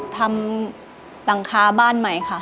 ทำหลังคาบ้านใหม่ค่ะ